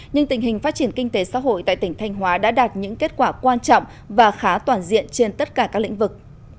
nhưng tình hình phát triển kinh tế xã hội tại tỉnh thanh hóa đã đạt những kết quả quan trọng và khá toàn diện trên tất cả các lĩnh vực